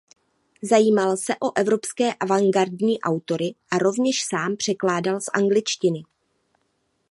Zajímal se o evropské avantgardní autory a rovněž sám překládal z angličtiny.